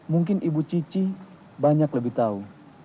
mungkin ibu cici banyak lebih tahu